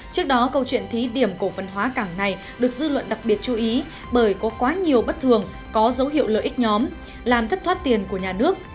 trước đó câu chuyện thí điểm cổ phần hóa cảng này được dư luận đặc biệt chú ý bởi có quá nhiều bất thường có dấu hiệu lợi ích nhóm làm thất thoát tiền của nhà nước